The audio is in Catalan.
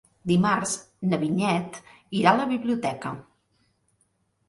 Dimarts na Vinyet irà a la biblioteca.